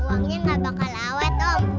uangnya gak bakal awet om